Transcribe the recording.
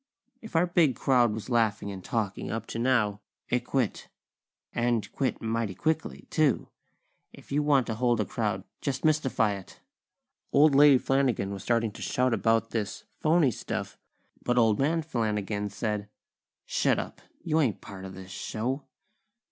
If our big crowd was laughing and talking up to now, it quit! And quit mighty quickly, too! If you want to hold a crowd, just mystify it. Old Lady Flanagan was starting to shout about "this phony stuff," but Old Man Flanagan said: "Shut up! You ain't part of this show!"